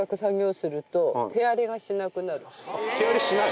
手荒れしない？